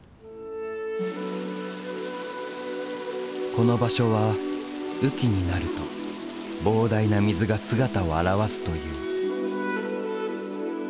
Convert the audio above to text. この場所は雨季になると膨大な水が姿を現すという。